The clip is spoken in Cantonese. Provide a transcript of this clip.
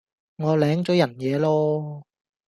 我領咗人嘢囉